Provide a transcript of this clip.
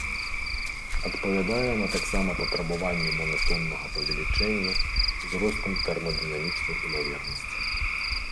Адпавядае яна таксама патрабаванню манатоннага павелічэння з ростам тэрмадынамічнай імавернасці.